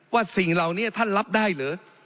สิ่งเหล่านี้ท่านรับได้เหรอ